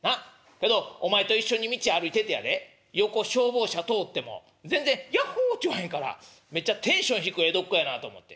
けどお前と一緒に道歩いててやで横消防車通っても全然ヤッホーって言わへんからめっちゃテンション低い江戸っ子やなと思って」。